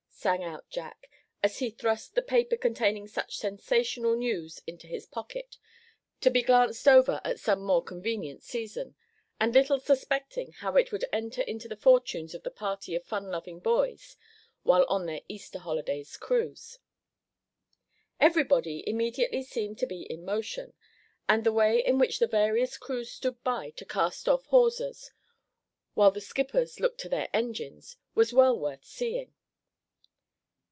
sang out Jack, as he thrust the paper containing such sensational news into his pocket, to be glanced over at some more convenient season, and little suspecting how it would enter into the fortunes of the party of fun loving boys while on their Easter holidays' cruise. Everybody immediately seemed to be in motion, and the way in which the various crews stood by to cast off hawsers, while the skippers looked to their engines, was well worth seeing.